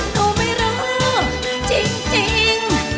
หนูไม่รู้จริงจริง